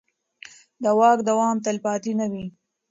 د واک دوام تلپاتې نه وي